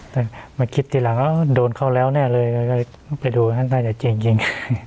เดี๋ยวมาคิดตีหลังโดนเข้าแล้วเนี่ยเลยก็ไปดูอ้านตาจากเจ้นจริง